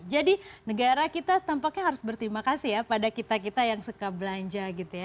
jadi negara kita tampaknya harus berterima kasih ya pada kita kita yang suka belanja